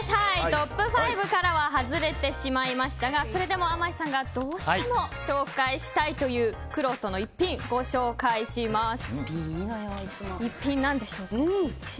トップ５からは外れてしまいましたがそれでも、あまいさんがどうしても紹介したいというくろうとの逸品、ご紹介します。